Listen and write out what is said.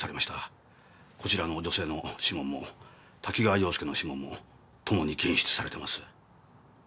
こちらの女性の指紋も多岐川洋介の指紋もともに検出されてます。